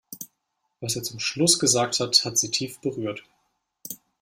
Was er zum Schluss gesagt hat, hat sie tief berührt.